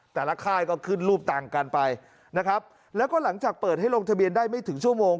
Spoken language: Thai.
ค่ายก็ขึ้นรูปต่างกันไปนะครับแล้วก็หลังจากเปิดให้ลงทะเบียนได้ไม่ถึงชั่วโมง